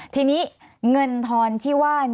สวัสดีครับทุกคน